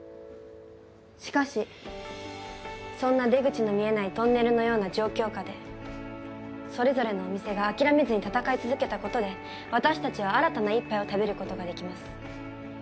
しかしそんな出口の見えないトンネルのような状況下でそれぞれのお店が諦めずに闘い続けたことで私たちは新たな一杯を食べることができます。